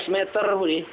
lima belas meter budi